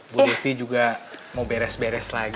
bu devi juga mau beres beres lagi